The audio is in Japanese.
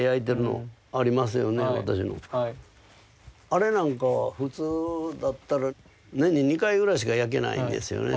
あれなんかは普通だったら年に２回ぐらいしか焼けないんですよね。